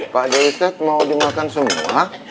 pak dewi set mau dimakan semua